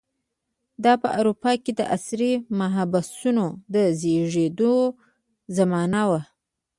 دا په اروپا کې د عصري محبسونو د زېږېدو زمانه وه.